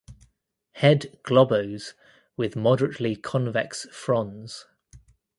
Head globose with moderately convex frons.